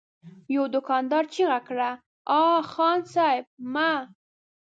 يوه دوکاندار چيغه کړه: اه! خان صيب! مه!